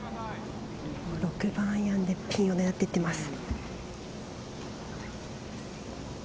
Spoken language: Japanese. ６番アイアンでピンを狙っていってます。